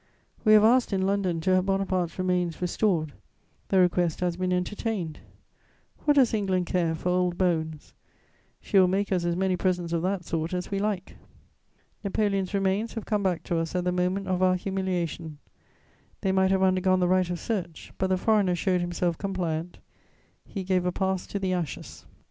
We have asked in London to have Bonaparte's remains restored; the request has been entertained: what does England care for old bones? She will make us as many presents of that sort as we like. Napoleon's remains have come back to us at the moment of our humiliation; they might have undergone the right of search; but the foreigner showed himself compliant: he gave a pass to the ashes.